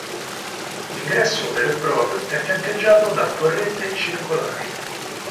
L'ingresso vero e proprio è fiancheggiato da torrette circolari.